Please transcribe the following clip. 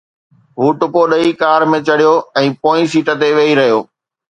هو ٽپو ڏئي ڪار ۾ چڙهيو ۽ پوئين سيٽ تي ويهي رهيو.